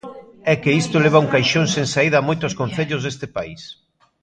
É que isto leva a un caixón sen saída a moitos concellos deste país.